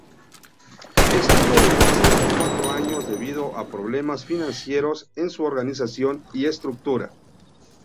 Estuvo en receso cuatro años debido a problemas financieros en su organización y estructura.